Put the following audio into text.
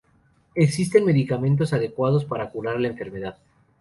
Existen medicamentos adecuados para curar la enfermedad.